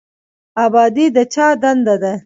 ابادي د چا دنده ده؟